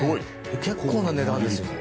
結構な値段ですよね。